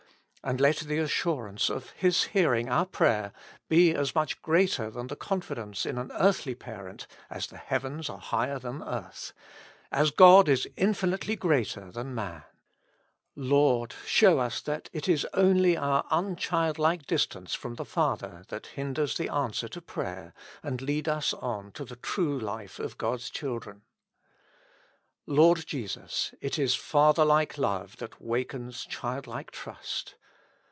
And let the assurance of His hearing our prayer be as much greater than the confidence in an earthly parent, as the heavens are higher than earth, as God is infinitely greater than man. Lord ! show us that it is only our unchildlike distance from the Father that hinders the 52 With Christ in the School of Prayer. answer to prayer, and lead us on to the true life of God's children. Lord Jesus ! it is fatherhke love that wakens childlike trust.